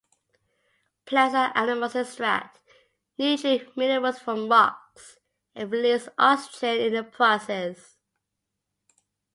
Plants and animals extract nutrient minerals from rocks and release oxygen in the process.